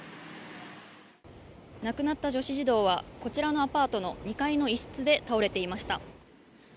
亡くなった女子児童はこちらのアパートの２階の一室で倒れていました。